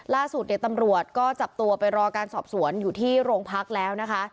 ล่าสุดตำรวจก็จับตัวไปรอการสอบสวนอยู่ที่โรงพักแล้วนะคะ